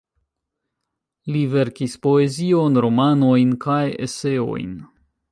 Li verkis poezion, romanojn kaj eseojn.